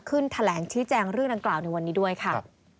แถลงชี้แจงเรื่องดังกล่าวในวันนี้ด้วยค่ะ